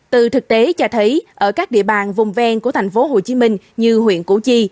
từ thực tế cho thấy ở các địa bàn vùng ven của tp hcm như huyện củ chi